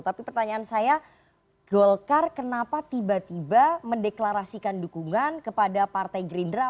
tapi pertanyaan saya golkar kenapa tiba tiba mendeklarasikan dukungan kepada partai gerindra